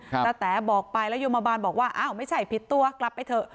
ตะแต๋บอกไปแล้วโยมบาลบอกว่าอ้าวไม่ใช่ผิดตัวกลับไปเถอะ